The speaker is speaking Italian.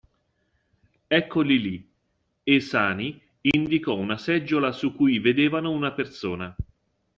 Eccoli lì, e Sani indicò una seggiola su cui si vedevano una persona.